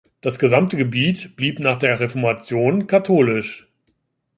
Das gesamte Gebiet blieb nach der Reformation katholisch.